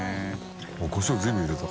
コショウ随分入れた。